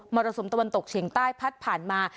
รสุมตะวันตกเฉียงใต้พัดผ่านมา